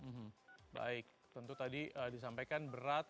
hmm baik tentu tadi disampaikan berat